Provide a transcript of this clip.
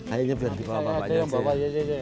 akhirnya bisa dibawa ke bapak jatuh